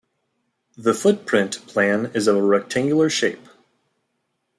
The footprint plan is of a rectangular shape.